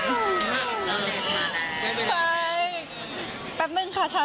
อ้าวจำเป็นประมาณแหละ